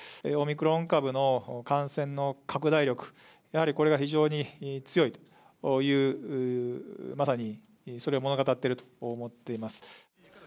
オミクロン株の感染の拡大力、やはりこれが非常に強いという、まさにそれを物語っていると思ってます。